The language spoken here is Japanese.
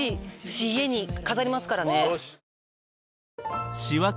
私家に飾りますからね。